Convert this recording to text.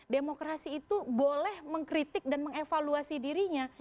demokrasi itu boleh mengkritik dan mengevaluasi dirinya